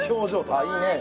あっいいね